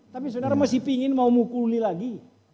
tapi saudara masih pingin mau mukuli lagi